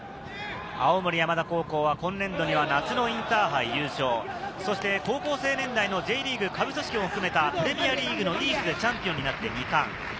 青森山田高校は今年度には夏のインターハイ優勝、そして高校生年代のＪリーグ下部組織も含めたプレミアリーグのＥＡＳＴでチャンピオンになって２冠。